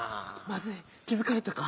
まずい気づかれたか？